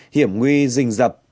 hiểm nguy dình dập